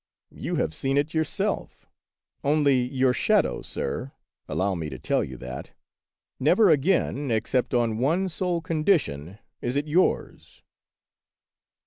You have seen it yourself. Only your shadow, sir, — allow me to tell you that, — never again, except on one sole condition, is it yours."